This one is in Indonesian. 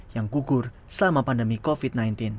yang kukur selama pandemi covid sembilan belas